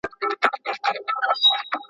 د ټولنیز نظم ګډوډول مه کوه.